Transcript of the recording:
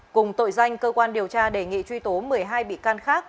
cùng tội danh cơ quan điều tra đề nghị truy tố một mươi hai bị can khác